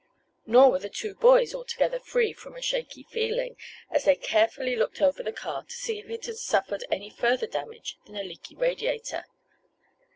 Nor were the two boys altogether free from a shaky feeling, as they carefully looked over the car to see if it had suffered any further damage than the leaky radiator.